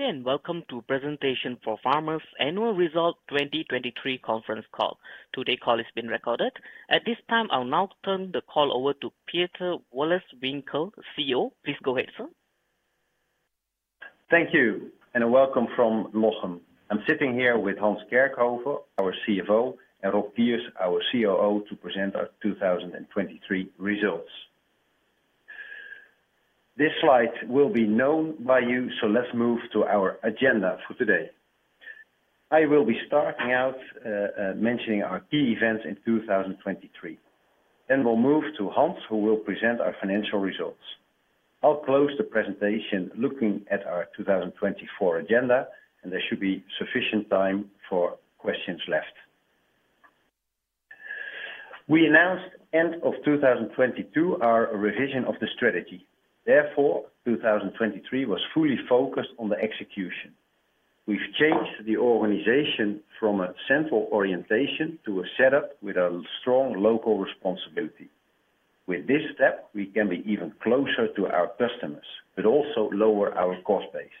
Good day, and welcome to ForFarmers Annual Results 2023 conference call. Today's call is being recorded. At this time, I'll now turn the call over to Pieter Wolleswinkel, CEO. Please go ahead, sir. Thank you, and a welcome from Lochem. I'm sitting here with Hans Kerkhoven, our CFO, and Rob Kiers, our COO, to present our 2023 results. This slide will be known by you, so let's move to our agenda for today. I will be starting out, mentioning our key events in 2023, then we'll move to Hans, who will present our financial results. I'll close the presentation looking at our 2024 agenda, and there should be sufficient time for questions left. We announced end of 2022 our revision of the strategy. Therefore, 2023 was fully focused on the execution. We've changed the organization from a central orientation to a setup with a strong local responsibility. With this step, we can be even closer to our customers, but also lower our cost base.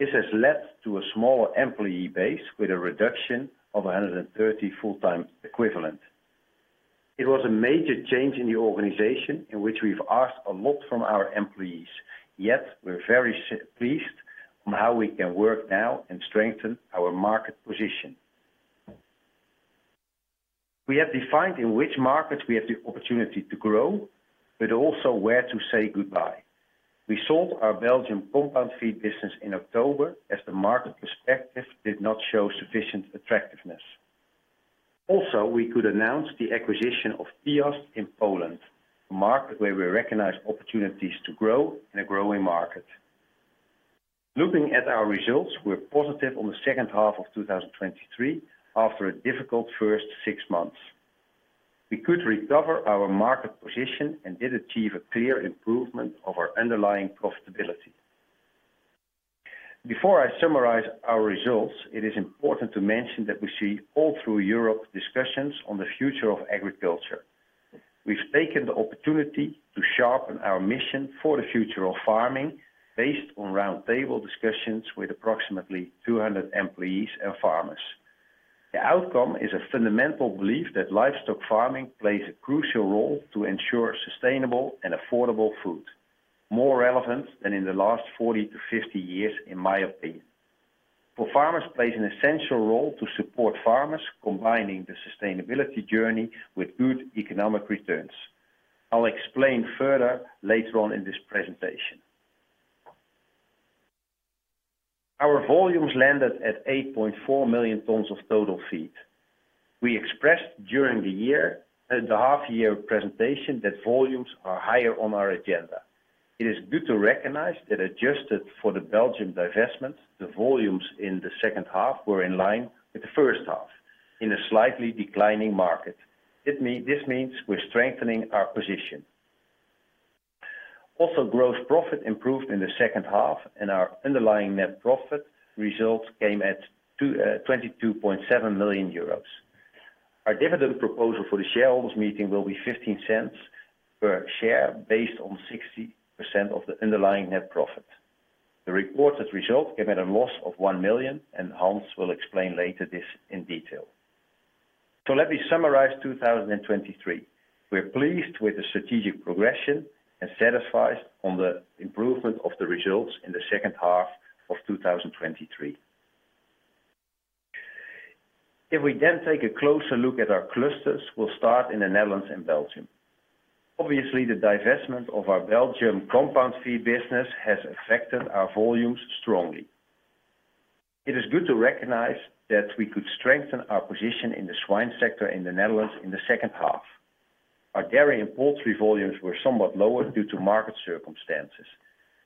This has led to a smaller employee base with a reduction of 130 full-time equivalent. It was a major change in the organization in which we've asked a lot from our employees, yet we're very pleased on how we can work now and strengthen our market position. We have defined in which markets we have the opportunity to grow, but also where to say goodbye. We sold our Belgian compound feed business in October as the market perspective did not show sufficient attractiveness. Also, we could announce the acquisition of Piast in Poland, a market where we recognize opportunities to grow in a growing market. Looking at our results, we're positive on the second half of 2023 after a difficult first six months. We could recover our market position and did achieve a clear improvement of our underlying profitability. Before I summarize our results, it is important to mention that we see all through Europe discussions on the future of agriculture. We've taken the opportunity to sharpen our mission for the future of farming based on roundtable discussions with approximately 200 employees and farmers. The outcome is a fundamental belief that livestock farming plays a crucial role to ensure sustainable and affordable food, more relevant than in the last 40-50 years, in my opinion. ForFarmers plays an essential role to support farmers combining the sustainability journey with good economic returns. I'll explain further later on in this presentation. Our volumes landed at 8.4 million tons of total feed. We expressed during the year, the half-year presentation that volumes are higher on our agenda. To me, this means we're strengthening our position. Also, gross profit improved in the second half, and our underlying net profit results came at 22.7 million. Our dividend proposal for the shareholders' meeting will be 0.15 per share based on 60% of the underlying net profit. The reported result came at a loss of 1 million, and Hans will explain later this in detail. So let me summarize 2023. We're pleased with the strategic progression and satisfied on the improvement of the results in the second half of 2023. If we then take a closer look at our clusters, we'll start in the Netherlands and Belgium. Obviously, the divestment of our Belgian compound feed business has affected our volumes strongly. It is good to recognize that we could strengthen our position in the swine sector in the Netherlands in the second half. Our dairy and poultry volumes were somewhat lower due to market circumstances.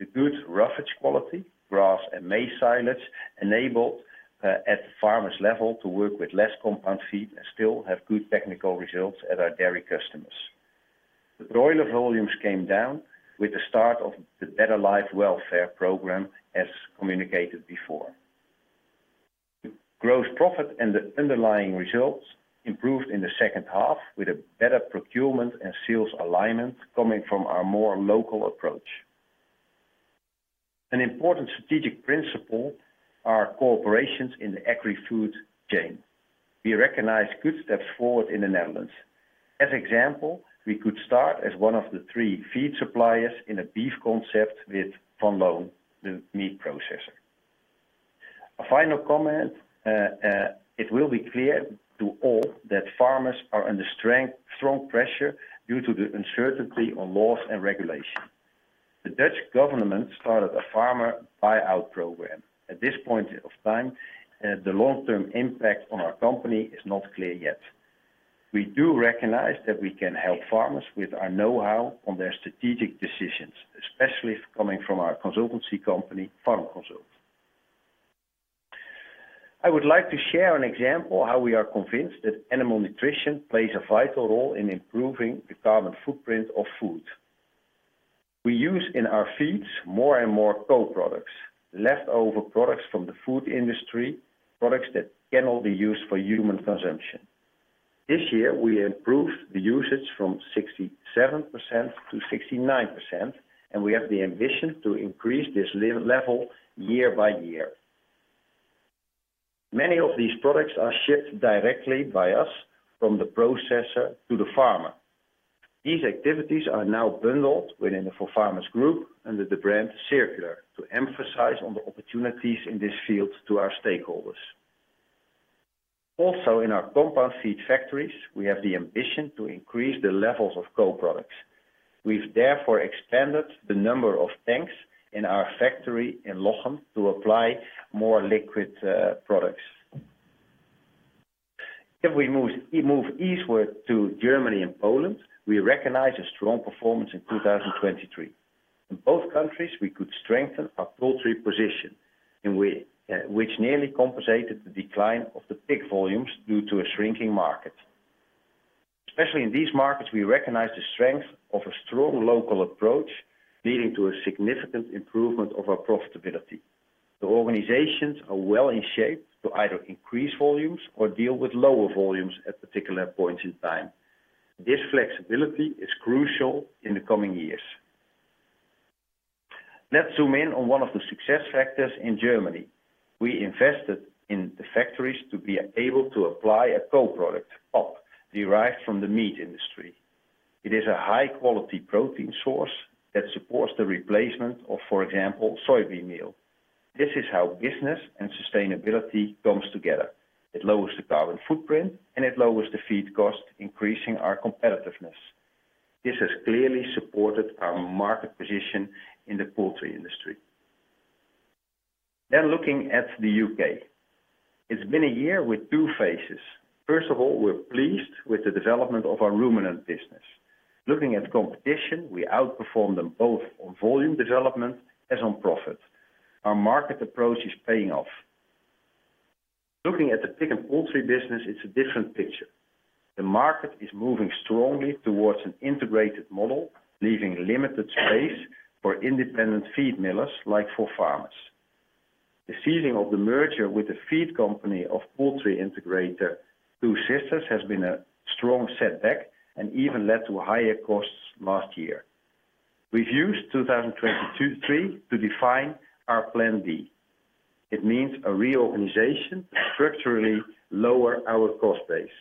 The good roughage quality, grass, and maize silage enabled, at the farmers' level, to work with less compound feed and still have good technical results at our dairy customers. The broiler volumes came down with the start of the Better Life Welfare Program, as communicated before. The gross profit and the underlying results improved in the second half with a better procurement and sales alignment coming from our more local approach. An important strategic principle are cooperations in the agri-food chain. We recognize good steps forward in the Netherlands. As example, we could start as one of the three feed suppliers in a beef concept with Vion, the meat processor. A final comment, it will be clear to all that farmers are under strong pressure due to the uncertainty on laws and regulations. The Dutch government started a farmer buyout program. At this point of time, the long-term impact on our company is not clear yet. We do recognize that we can help farmers with our know-how on their strategic decisions, especially coming from our consultancy company, Farm Consult. I would like to share an example of how we are convinced that animal nutrition plays a vital role in improving the carbon footprint of food. We use in our feeds more and more co-products, leftover products from the food industry, products that cannot be used for human consumption. This year, we improved the usage from 67%-69%, and we have the ambition to increase this level year by year. Many of these products are shipped directly by us from the processor to the farmer. These activities are now bundled within the ForFarmers Group under the brand CirQlar to emphasize on the opportunities in this field to our stakeholders. Also, in our compound feed factories, we have the ambition to increase the levels of co-products. We've therefore expanded the number of tanks in our factory in Lochem to apply more liquid products. If we move eastward to Germany and Poland, we recognize a strong performance in 2023. In both countries, we could strengthen our poultry position, which nearly compensated the decline of the pig volumes due to a shrinking market. Especially in these markets, we recognize the strength of a strong local approach leading to a significant improvement of our profitability. The organizations are well in shape to either increase volumes or deal with lower volumes at particular points in time. This flexibility is crucial in the coming years. Let's zoom in on one of the success factors in Germany. We invested in the factories to be able to apply a co-product, PAP, derived from the meat industry. It is a high-quality protein source that supports the replacement of, for example, soybean meal. This is how business and sustainability comes together. It lowers the carbon footprint, and it lowers the feed cost, increasing our competitiveness. This has clearly supported our market position in the poultry industry. Then looking at the UK. It's been a year with two phases. First of all, we're pleased with the development of our ruminant business. Looking at competition, we outperformed them both on volume development as on profit. Our market approach is paying off. Looking at the pig and poultry business, it's a different picture. The market is moving strongly towards an integrated model, leaving limited space for independent feed millers like ForFarmers. The ceasing of the merger with the feed company of Poultry Integrator 2 Sisters has been a strong setback and even led to higher costs last year. We've used 2022-2023 to define our Plan B. It means a reorganization to structurally lower our cost base.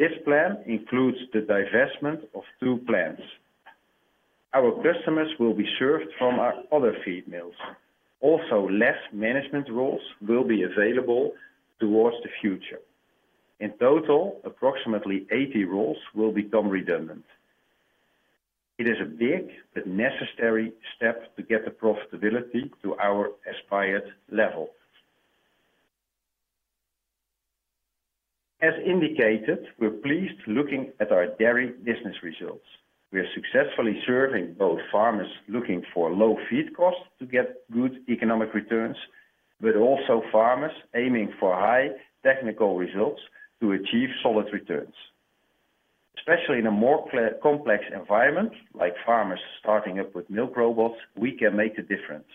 This plan includes the divestment of two plants. Our customers will be served from our other feed mills. Also, less management roles will be available towards the future. In total, approximately 80 roles will become redundant. It is a big but necessary step to get the profitability to our aspired level. As indicated, we're pleased looking at our dairy business results. We're successfully serving both farmers looking for low feed costs to get good economic returns, but also farmers aiming for high technical results to achieve solid returns. Especially in a more complex environment, like farmers starting up with milk robots, we can make a difference.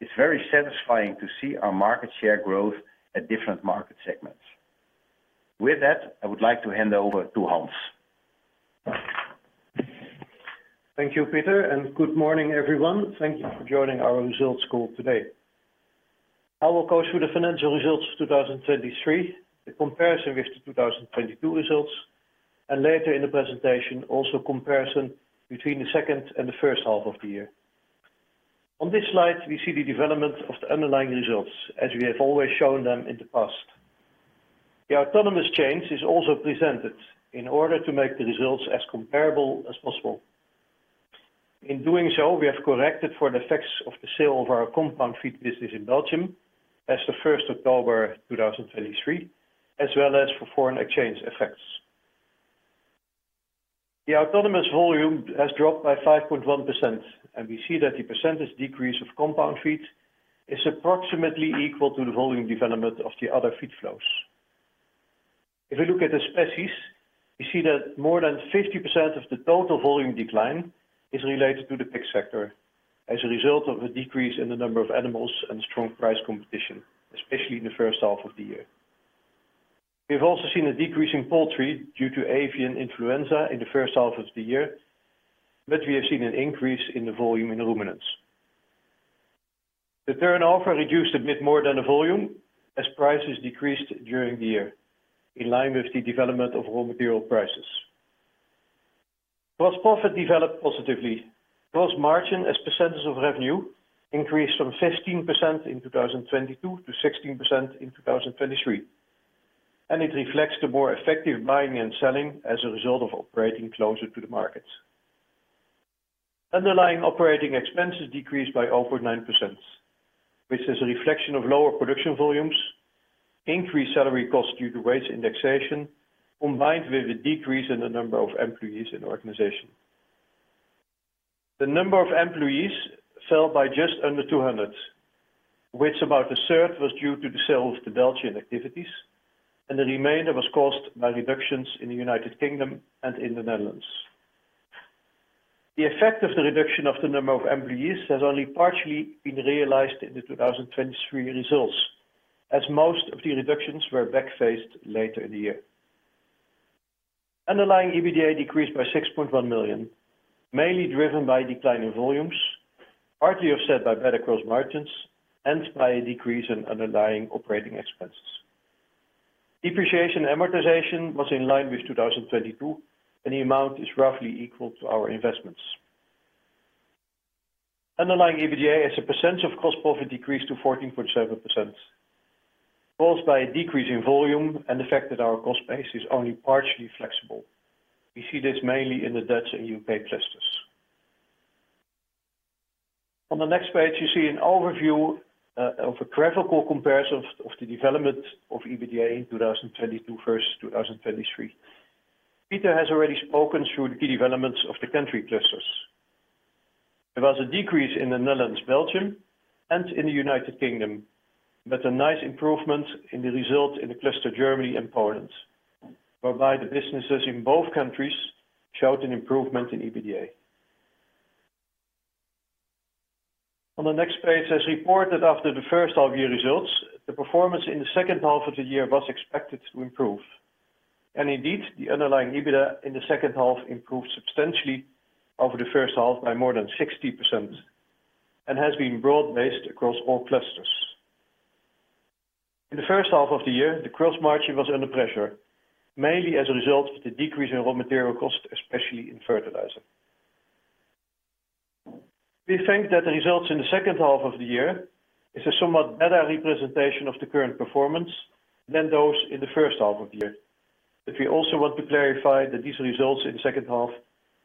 It's very satisfying to see our market share growth at different market segments. With that, I would like to hand over to Hans. Thank you, Pieter, and good morning, everyone. Thank you for joining our results call today. I will go through the financial results of 2023, the comparison with the 2022 results, and later in the presentation, also comparison between the second and the first half of the year. On this slide, we see the development of the underlying results as we have always shown them in the past. The autonomous change is also presented in order to make the results as comparable as possible. In doing so, we have corrected for the effects of the sale of our compound feed business in Belgium as of 1st October 2023, as well as for foreign exchange effects. The autonomous volume has dropped by 5.1%, and we see that the percentage decrease of compound feed is approximately equal to the volume development of the other feed flows. If we look at the species, we see that more than 50% of the total volume decline is related to the pig sector as a result of a decrease in the number of animals and strong price competition, especially in the first half of the year. We have also seen a decrease in poultry due to Avian influenza in the first half of the year, but we have seen an increase in the volume in ruminants. The turnover reduced a bit more than the volume as prices decreased during the year in line with the development of raw material prices. Gross profit developed positively. Gross margin, as percentage of revenue, increased from 15% in 2022 to 16% in 2023, and it reflects the more effective buying and selling as a result of operating closer to the markets. Underlying operating expenses decreased by 0.9%, which is a reflection of lower production volumes, increased salary costs due to wage indexation, combined with a decrease in the number of employees in the organization. The number of employees fell by just under 200, of which about a third was due to the sale of the Belgian activities, and the remainder was caused by reductions in the United Kingdom and in the Netherlands. The effect of the reduction of the number of employees has only partially been realized in the 2023 results as most of the reductions were back-loaded later in the year. Underlying EBITDA decreased by 6.1 million, mainly driven by a decline in volumes, partly offset by better gross margins, and by a decrease in underlying operating expenses. Depreciation and amortization was in line with 2022, and the amount is roughly equal to our investments. Underlying EBITDA, as a percentage of gross profit, decreased to 14.7%, caused by a decrease in volume and the fact that our cost base is only partially flexible. We see this mainly in the Dutch and UK clusters. On the next page, you see an overview of a graphical comparison of the development of EBITDA in 2022 versus 2023. Pieter has already spoken through the key developments of the country clusters. There was a decrease in the Netherlands, Belgium, and in the United Kingdom, but a nice improvement in the result in the cluster Germany and Poland, whereby the businesses in both countries showed an improvement in EBITDA. On the next page, as reported after the first half-year results, the performance in the second half of the year was expected to improve. Indeed, the underlying EBITDA in the second half improved substantially over the first half by more than 60% and has been broad-based across all clusters. In the first half of the year, the gross margin was under pressure, mainly as a result of the decrease in raw material costs, especially in fertilizer. We think that the results in the second half of the year is a somewhat better representation of the current performance than those in the first half of the year. We also want to clarify that these results in the second half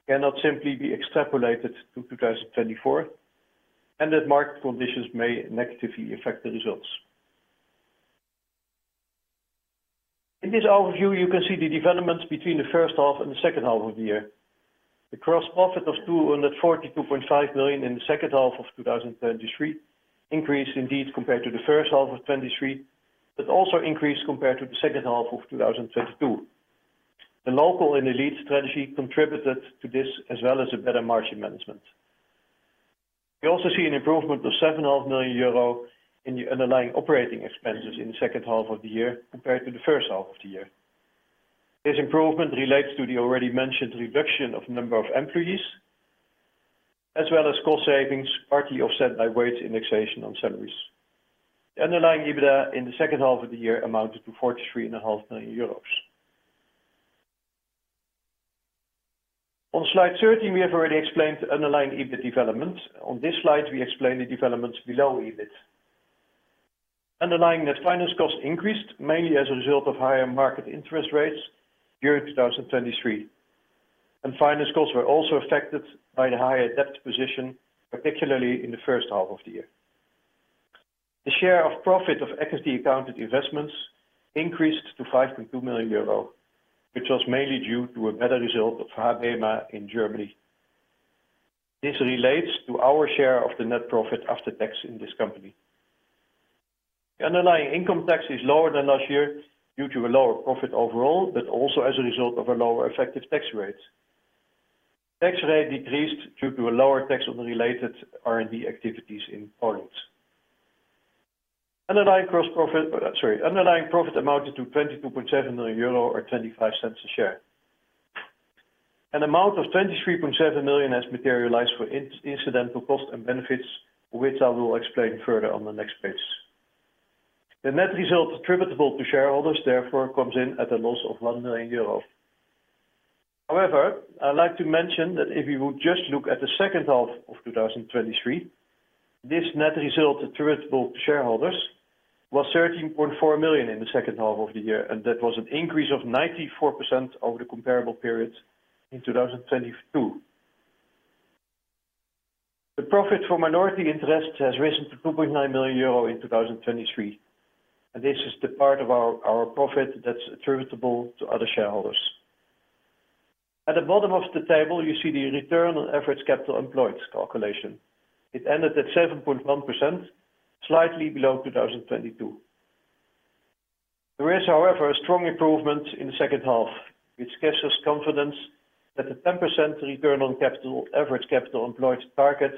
cannot simply be extrapolated to 2024 and that market conditions may negatively affect the results. In this overview, you can see the developments between the first half and the second half of the year. The gross profit of 242.5 million in the second half of 2023 increased indeed compared to the first half of 2023, but also increased compared to the second half of 2022. The local and elite strategy contributed to this as well as a better margin management. We also see an improvement of 7.5 million euro in the underlying operating expenses in the second half of the year compared to the first half of the year. This improvement relates to the already mentioned reduction of number of employees as well as cost savings, partly offset by wage indexation on salaries. The underlying EBITDA in the second half of the year amounted to 43.5 million euros. On slide 13, we have already explained the underlying EBIT development. On this slide, we explain the developments below EBIT. Underlying net finance costs increased mainly as a result of higher market interest rates during 2023, and finance costs were also affected by the higher debt position, particularly in the first half of the year. The share of profit of equity-accounted investments increased to 5.2 million euro, which was mainly due to a better result of HaBeMa in Germany. This relates to our share of the net profit after tax in this company. The underlying income tax is lower than last year due to a lower profit overall, but also as a result of a lower effective tax rate. Tax rate decreased due to a lower tax on the related R&D activities in Poland. Underlying gross profit sorry, underlying profit amounted to 22.7 million euro or 0.25 a share. An amount of 23.7 million has materialized for incidental costs and benefits, which I will explain further on the next page. The net result attributable to shareholders, therefore, comes in at a loss of 1 million euro. However, I'd like to mention that if we would just look at the second half of 2023, this net result attributable to shareholders was 13.4 million in the second half of the year, and that was an increase of 94% over the comparable period in 2022. The profit for minority interests has risen to 2.9 million euro in 2023, and this is the part of our profit that's attributable to other shareholders. At the bottom of the table, you see the return on average capital employed calculation. It ended at 7.1%, slightly below 2022. There is, however, a strong improvement in the second half, which gives us confidence that the 10% return on capital average capital employed target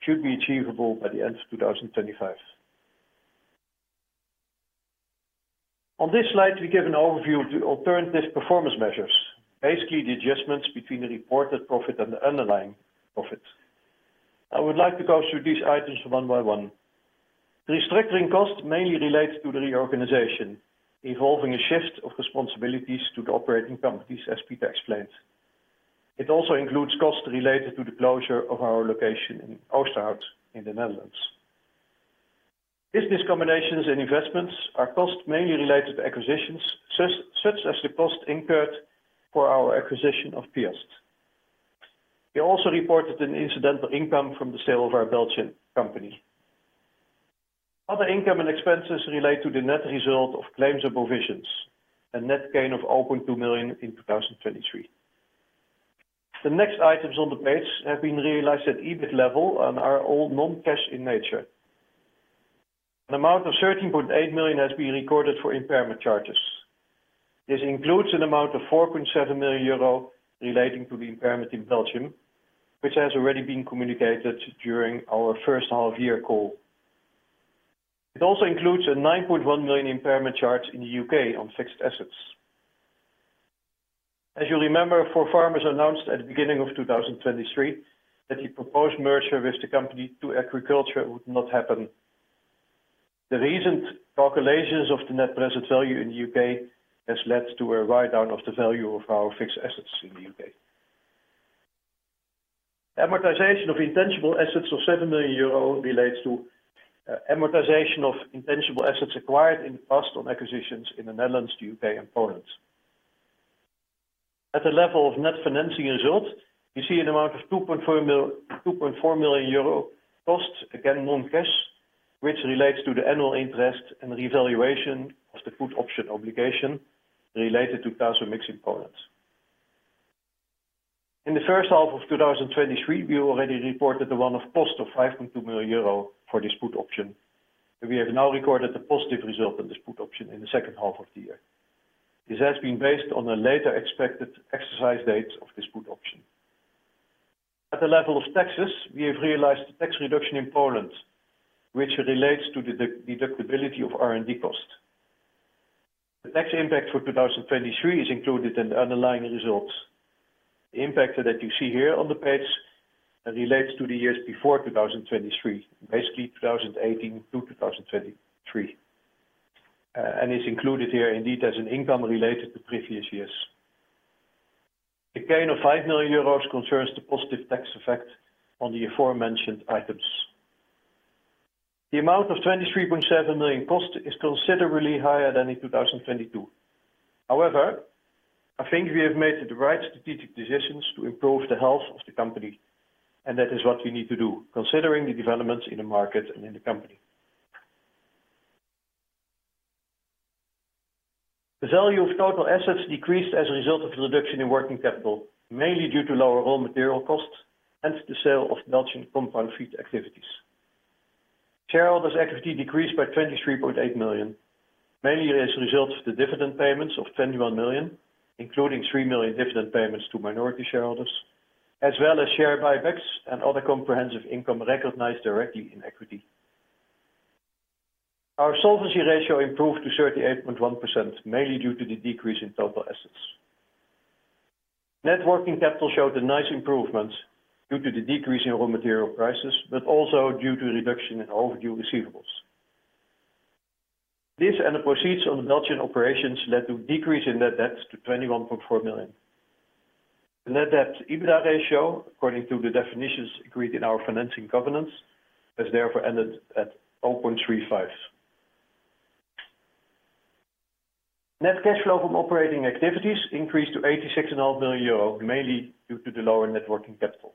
should be achievable by the end of 2025. On this slide, we give an overview of the alternative performance measures, basically the adjustments between the reported profit and the underlying profit. I would like to go through these items one by one. The restructuring cost mainly relates to the reorganization, involving a shift of responsibilities to the operating companies, as Pieter explained. It also includes costs related to the closure of our location in Oosterhout in the Netherlands. Business combinations and investments are costs mainly related to acquisitions, such as the cost incurred for our acquisition of Piast. We also reported an incidental income from the sale of our Belgian company. Other income and expenses relate to the net result of claims of provisions and net gain of 0.2 million in 2023. The next items on the page have been realized at EBIT level and are all non-cash in nature. An amount of 13.8 million has been recorded for impairment charges. This includes an amount of 4.7 million euro relating to the impairment in Belgium, which has already been communicated during our first half-year call. It also includes a 9.1 million impairment charge in the UK on fixed assets. As you remember, ForFarmers announced at the beginning of 2023 that the proposed merger with 2Agriculture would not happen. The recent calculations of the net present value in the UK have led to a write-down of the value of our fixed assets in the UK. Amortization of intangible assets of 7 million euro relates to amortization of intangible assets acquired in the past on acquisitions in the Netherlands, the UK, and Poland. At the level of net financing result, you see an amount of 2.4 million euro cost, again non-cash, which relates to the annual interest and revaluation of the put option obligation related to Tasomix in Poland. In the first half of 2023, we already reported the one-off cost of 5.2 million euro for this put option, and we have now recorded the positive result of this put option in the second half of the year. This has been based on a later expected exercise date of this put option. At the level of taxes, we have realized the tax reduction in Poland, which relates to the deductibility of R&D cost. The tax impact for 2023 is included in the underlying results. The impact that you see here on the page relates to the years before 2023, basically 2018 to 2023, and is included here indeed as an income related to previous years. The gain of 5 million euros concerns the positive tax effect on the aforementioned items. The amount of 23.7 million cost is considerably higher than in 2022. However, I think we have made the right strategic decisions to improve the health of the company, and that is what we need to do considering the developments in the market and in the company. The value of total assets decreased as a result of the reduction in working capital, mainly due to lower raw material costs and the sale of Belgian compound feed activities. Shareholders' equity decreased by 23.8 million, mainly as a result of the dividend payments of 21 million, including 3 million dividend payments to minority shareholders, as well as share buybacks and other comprehensive income recognized directly in equity. Our solvency ratio improved to 38.1%, mainly due to the decrease in total assets. Net working capital showed a nice improvement due to the decrease in raw material prices, but also due to reduction in overdue receivables. This and the proceeds on the Belgian operations led to a decrease in net debt to 21.4 million. The net debt EBITDA ratio, according to the definitions agreed in our financing governance, has therefore ended at 0.35. Net cash flow from operating activities increased to 86.5 million euro, mainly due to the lower net working capital.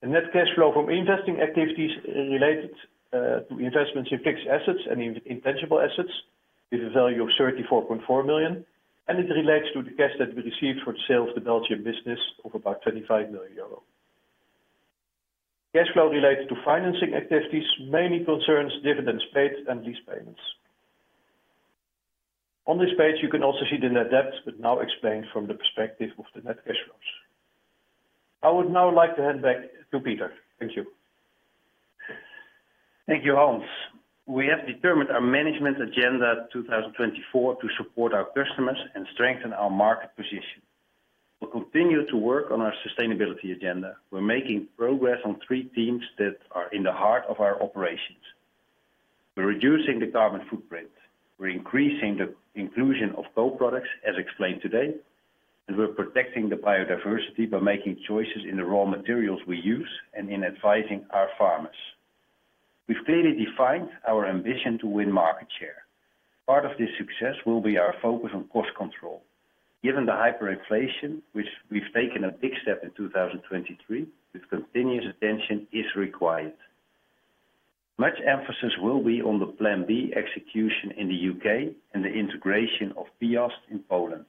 The net cash flow from investing activities related to investments in fixed assets and intangible assets is a value of 34.4 million, and it relates to the cash that we received for the sale of the Belgian business of about 25 million euro. Cash flow related to financing activities mainly concerns dividends paid and lease payments. On this page, you can also see the net debt, but now explained from the perspective of the net cash flows. I would now like to hand back to Pieter. Thank you. Thank you, Hans. We have determined our management agenda 2024 to support our customers and strengthen our market position. We'll continue to work on our sustainability agenda. We're making progress on three themes that are in the heart of our operations. We're reducing the carbon footprint. We're increasing the inclusion of co-products, as explained today, and we're protecting the biodiversity by making choices in the raw materials we use and in advising our farmers. We've clearly defined our ambition to win market share. Part of this success will be our focus on cost control. Given the hyperinflation, which we've taken a big step in 2023 with continuous attention, is required. Much emphasis will be on the Plan B execution in the U.K. and the integration of Piast in Poland.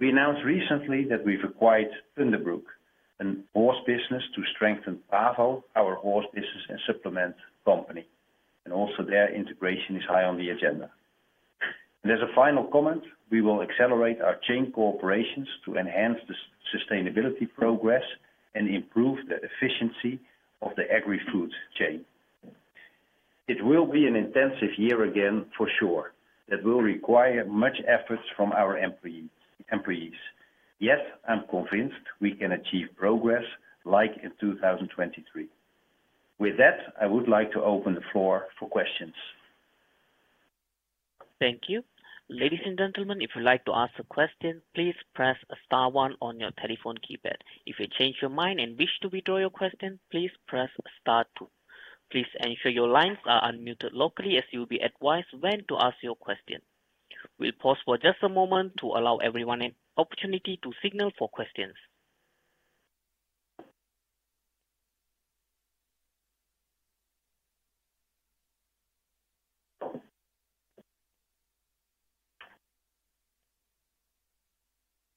We announced recently that we've acquired Thunderbrook, a horse business, to strengthen Pavo, our horse business and supplement company, and also their integration is high on the agenda. As a final comment, we will accelerate our chain cooperations to enhance the sustainability progress and improve the efficiency of the agri-food chain. It will be an intensive year again for sure that will require much effort from our employees. Yet, I'm convinced we can achieve progress like in 2023. With that, I would like to open the floor for questions. Thank you. Ladies and gentlemen, if you'd like to ask a question, please press star one on your telephone keypad. If you change your mind and wish to withdraw your question, please press star two. Please ensure your lines are unmuted locally as you'll be advised when to ask your question. We'll pause for just a moment to allow everyone an opportunity to signal for questions.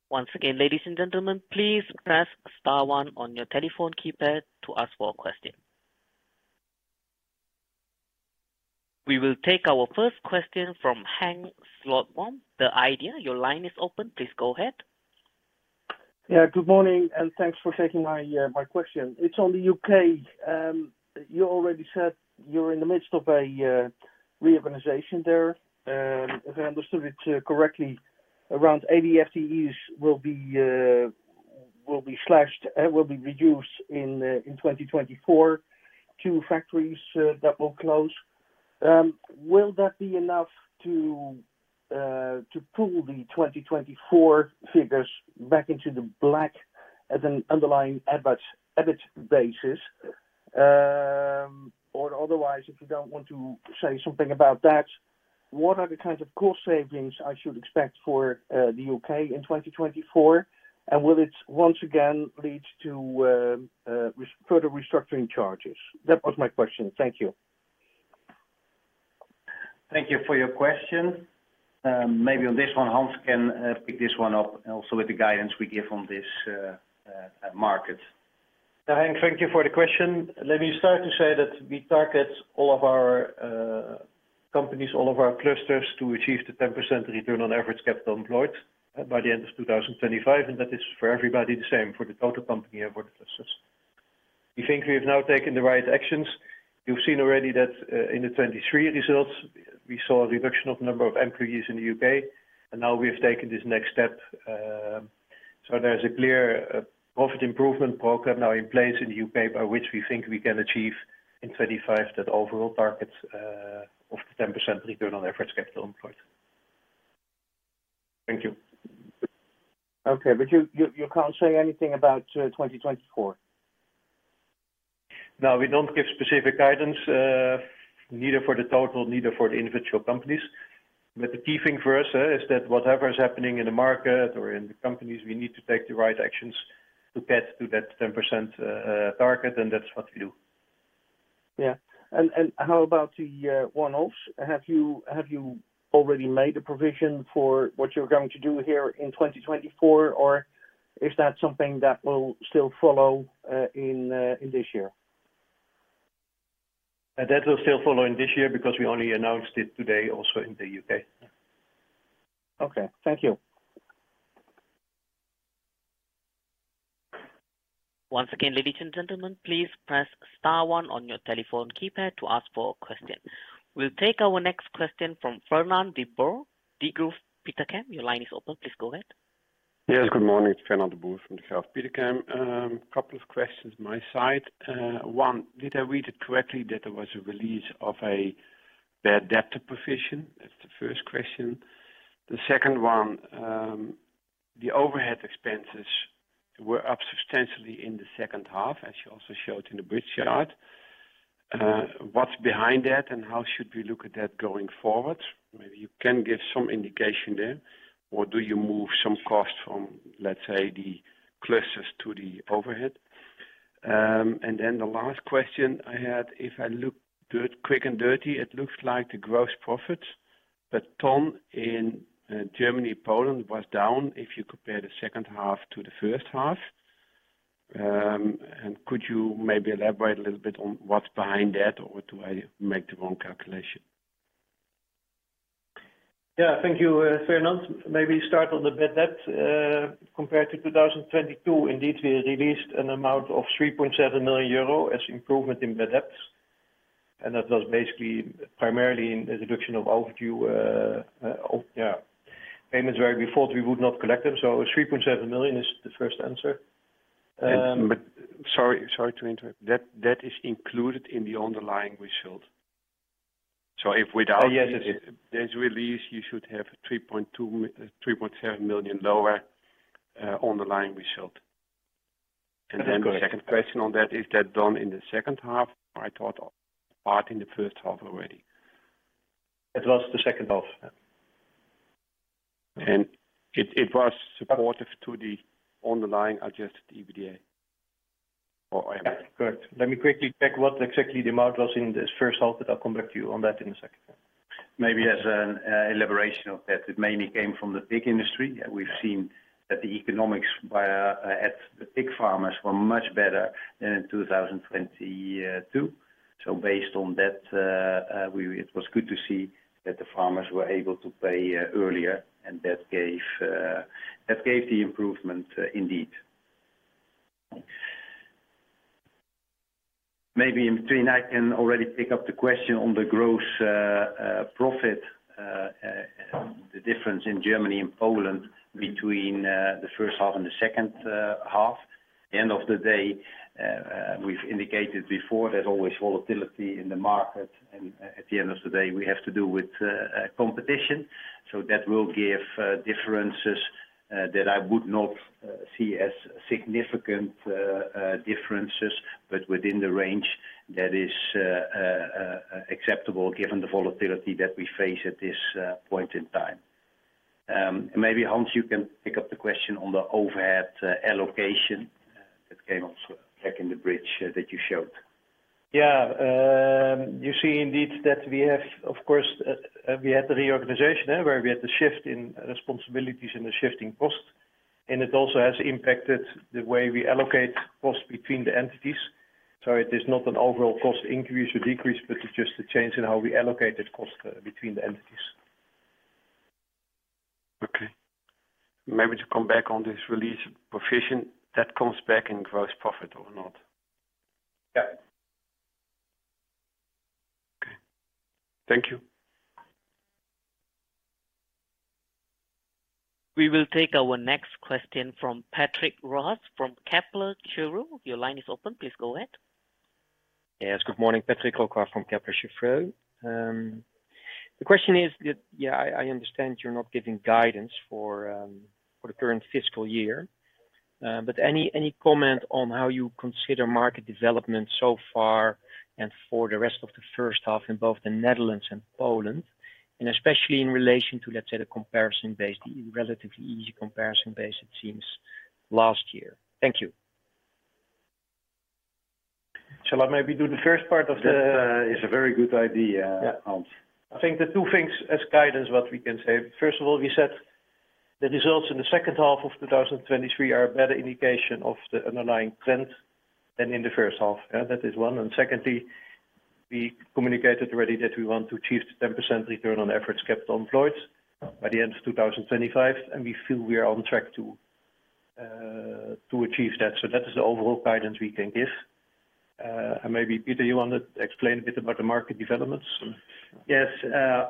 Once again, ladies and gentlemen, please press star one on your telephone keypad to ask for a question. We will take our first question from Henk Slotboom, The IDEA!. Your line is open. Please go ahead. Yeah, good morning, and thanks for taking my question. It's on the UK. You already said you're in the midst of a reorganization there. If I understood it correctly, around 80 FTEs will be slashed will be reduced in 2024. 2 factories that will close. Will that be enough to pull the 2024 figures back into the black at an underlying EBIT basis? Or otherwise, if you don't want to say something about that, what are the kinds of cost savings I should expect for the UK in 2024, and will it once again lead to further restructuring charges? That was my question. Thank you. Thank you for your question. Maybe on this one, Hans can pick this one up also with the guidance we give on this market. Yeah, Henk, thank you for the question. Let me start to say that we target all of our companies, all of our clusters to achieve the 10% return on average capital employed by the end of 2025, and that is for everybody the same, for the total company and for the clusters. We think we have now taken the right actions. You've seen already that in the 2023 results, we saw a reduction of the number of employees in the UK, and now we have taken this next step. So there's a clear profit improvement program now in place in the UK by which we think we can achieve in 2025 that overall target of the 10% return on average capital employed. Thank you. Okay, but you can't say anything about 2024? No, we don't give specific guidance, neither for the total nor for the individual companies. But the key thing for us is that whatever is happening in the market or in the companies, we need to take the right actions to get to that 10% target, and that's what we do. Yeah. How about the one-offs? Have you already made a provision for what you're going to do here in 2024, or is that something that will still follow in this year? That will still follow in this year because we only announced it today also in the UK. Okay. Thank you. Once again, ladies and gentlemen, please press star one on your telephone keypad to ask for a question. We'll take our next question from Fernand de Boer, Degroof Petercam. Your line is open. Please go ahead. Yes, good morning. Fernand de Boer from Degroof Petercam. Couple of questions on my side. One, did I read it correctly that there was a release of a bad debtor provision? That's the first question. The second one, the overhead expenses were up substantially in the second half, as you also showed in the bridge chart. What's behind that, and how should we look at that going forward? Maybe you can give some indication there, or do you move some cost from, let's say, the clusters to the overhead? And then the last question I had, if I look quick and dirty, it looks like the gross profit per ton in Germany, Poland was down if you compare the second half to the first half. And could you maybe elaborate a little bit on what's behind that, or do I make the wrong calculation? Yeah, thank you, Fernand. Maybe start on the bad debt. Compared to 2022, indeed, we released an amount of 3.7 million euro as improvement in bad debts, and that was basically primarily in the reduction of overdue, yeah, payments where we thought we would not collect them. So 3.7 million is the first answer. Sorry to interrupt. That is included in the underlying result. So without this release, you should have a 3.7 million lower underlying result. And then the second question on that, is that done in the second half or I thought part in the first half already? It was the second half, yeah. It was supportive to the underlying adjusted EBITDA? Yeah. Oh, I am. Correct. Let me quickly check what exactly the amount was in this first half, but I'll come back to you on that in a second. Maybe as an elaboration of that, it mainly came from the big industry. We've seen that the economics at the big farmers were much better than in 2022. So based on that, it was good to see that the farmers were able to pay earlier, and that gave the improvement indeed. Maybe in between, I can already pick up the question on the gross profit, the difference in Germany and Poland between the first half and the second half. At the end of the day, we've indicated before there's always volatility in the market, and at the end of the day, we have to do with competition. So that will give differences that I would not see as significant differences, but within the range that is acceptable given the volatility that we face at this point in time. Maybe, Hans, you can pick up the question on the overhead allocation that came also back in the bridge that you showed. Yeah. You see, indeed, that we have, of course, we had the reorganization where we had the shift in responsibilities and the shifting costs, and it also has impacted the way we allocate costs between the entities. So it is not an overall cost increase or decrease, but it's just a change in how we allocate the costs between the entities. Okay. Maybe to come back on this release provision, that comes back in gross profit or not? Yeah. Okay. Thank you. We will take our next question from Patrick Roquas from Patrick Roquas. Your line is open. Please go ahead. Yes, good morning. Patrick Roquas from Patrick Roquas. The question is that, yeah, I understand you're not giving guidance for the current fiscal year, but any comment on how you consider market development so far and for the rest of the first half in both the Netherlands and Poland, and especially in relation to, let's say, the comparison base, the relatively easy comparison base, it seems, last year? Thank you. Shall I maybe do the first part of the? That is a very good idea, Hans. Yeah. I think the two things as guidance, what we can say. First of all, we said the results in the second half of 2023 are a better indication of the underlying trend than in the first half. That is one. And secondly, we communicated already that we want to achieve the 10% return on average capital employed by the end of 2025, and we feel we are on track to achieve that. So that is the overall guidance we can give. And maybe, Pieter, you want to explain a bit about the market developments? Yes.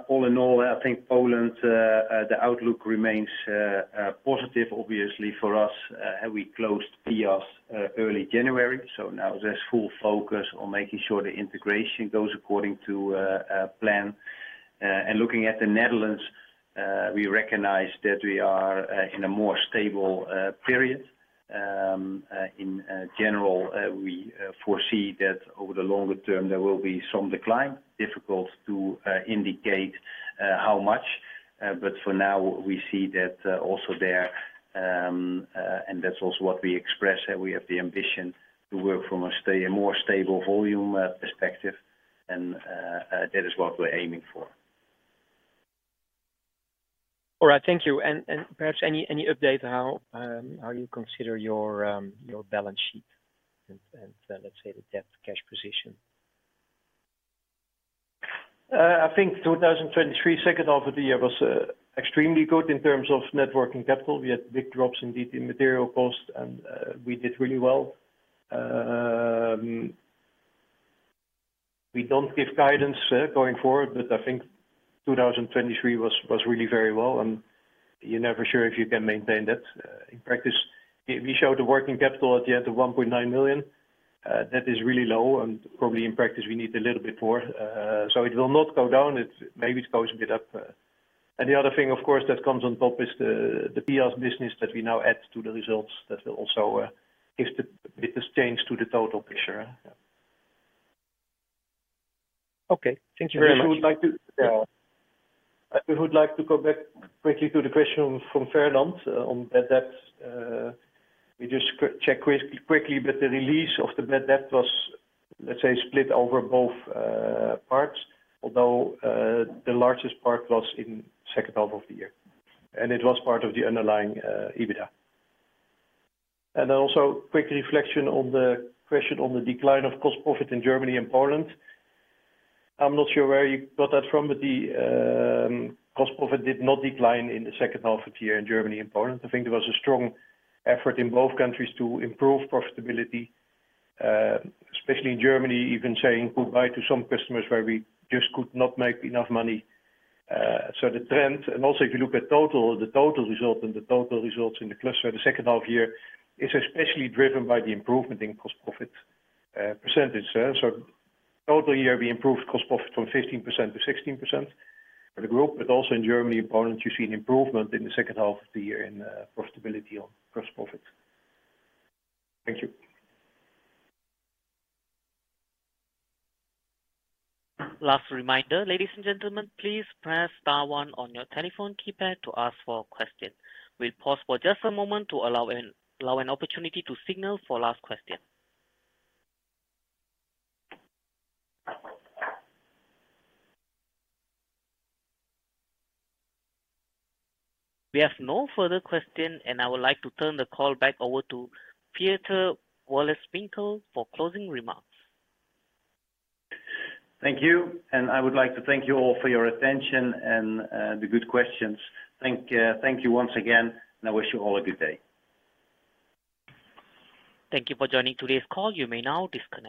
All in all, I think Poland, the outlook remains positive, obviously, for us. We closed Piast early January, so now there's full focus on making sure the integration goes according to plan. And looking at the Netherlands, we recognize that we are in a more stable period. In general, we foresee that over the longer term, there will be some decline. Difficult to indicate how much, but for now, we see that also there, and that's also what we express that we have the ambition to work from a more stable volume perspective, and that is what we're aiming for. All right. Thank you. Perhaps any update on how you consider your balance sheet and, let's say, the debt cash position? I think 2023, second half of the year, was extremely good in terms of net working capital. We had big drops indeed in material costs, and we did really well. We don't give guidance going forward, but I think 2023 was really very well, and you're never sure if you can maintain that. In practice, we showed the working capital at the end of 1.9 million. That is really low, and probably in practice, we need a little bit more. So it will not go down. Maybe it goes a bit up. And the other thing, of course, that comes on top is the Piast business that we now add to the results that will also give a bit of change to the total picture. Yeah. Okay. Thank you very much. If you would like to come back quickly to the question from Fernand on bad debt, we just checked quickly, but the release of the bad debt was, let's say, split over both parts, although the largest part was in the second half of the year, and it was part of the underlying EBITDA. Then also quick reflection on the question on the decline of gross profit in Germany and Poland. I'm not sure where you got that from, but the gross profit did not decline in the second half of the year in Germany and Poland. I think there was a strong effort in both countries to improve profitability, especially in Germany, even saying goodbye to some customers where we just could not make enough money. The trend, and also if you look at the total result and the total results in the cluster, the second half year is especially driven by the improvement in gross profit percentage. Total year, we improved gross profit from 15%-16% for the group, but also in Germany and Poland, you see an improvement in the second half of the year in profitability on gross profit. Thank you. Last reminder, ladies and gentlemen, please press star one on your telephone keypad to ask for a question. We'll pause for just a moment to allow an opportunity to signal for last question. We have no further question, and I would like to turn the call back over to Pieter Wolleswinkel for closing remarks. Thank you. I would like to thank you all for your attention and the good questions. Thank you once again, and I wish you all a good day. Thank you for joining today's call. You may now disconnect.